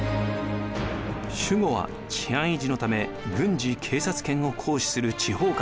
守護は治安維持のため軍事・警察権を行使する地方官です。